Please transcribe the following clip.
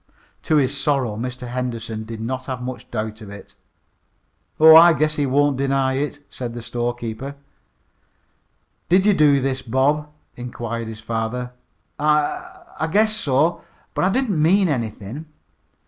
To his sorrow Mr. Henderson did not have much doubt of it. "Oh, I guess he won't deny it," said the storekeeper. "Did you do this, Bob?" inquired his father. "I I guess so, but I didn't mean anything."